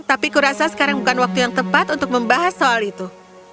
tapi kurasa sekarang bukan waktu yang tepat untuk membahas soal itu